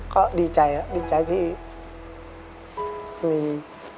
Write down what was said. ก็ดีใจละดีใจที่มี